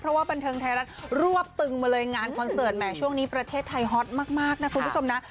เพราะว่าบันเทิงไทยรัฐรวบตึงมาเลยงานคอนเสิร์ตแหมช่วงนี้ประเทศไทยฮอตมากนะคุณผู้ชมนะ